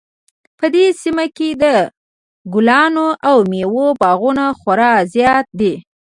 په دې سیمه کې د ګلانو او میوو باغونه خورا زیات دي